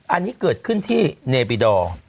อันนี้เกิดขึ้นที่เนบิดอร์